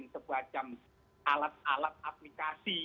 sebuah alat alat aplikasi